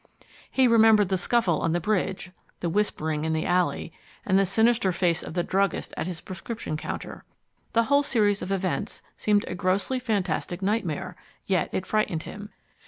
He remembered the scuffle on the Bridge, the whispering in the alley, and the sinister face of the druggist at his prescription counter. The whole series of events seemed a grossly fantastic nightmare, yet it frightened him.